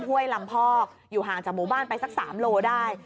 ห้วยลำพอกอยู่ห่างจากหมู่บ้านไปสัก๓โลได้